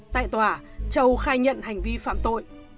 tại tòa châu khai nhận hành vi phạm tội